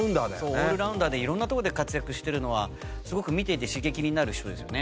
オールラウンダーで色んなとこで活躍してるのはすごく見ていて刺激になる人ですよね。